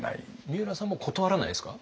みうらさんも断らないですか？